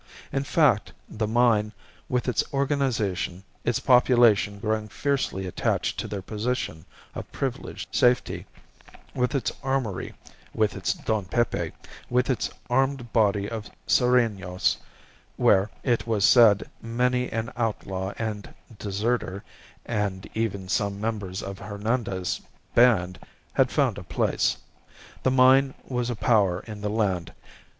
In fact, the mine, with its organization, its population growing fiercely attached to their position of privileged safety, with its armoury, with its Don Pepe, with its armed body of serenos (where, it was said, many an outlaw and deserter and even some members of Hernandez's band had found a place), the mine was a power in the land.